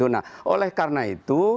nah oleh karena itu